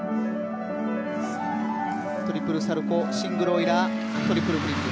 トリプルサルコウシングルオイラートリプルフリップ。